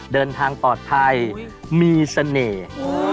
เดินทางปลอดภัยมีเสน่ห์